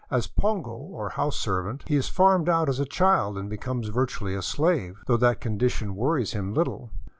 As pongo, or house servant, he is farmed out as a child and becomes virtually a slave, — though that condition wor ries him little.